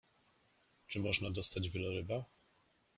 Czy można dostać wieloryba?